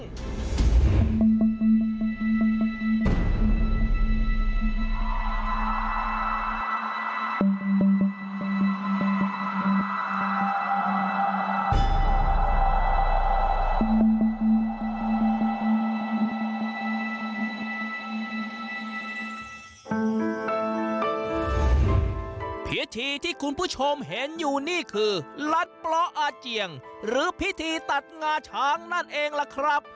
พิธีที่คุณผู้ชมเห็นอยู่นี่คือลัดปล้ออาเจียงหรือพิธีตัดงาช้างนั่นเองล่ะครับ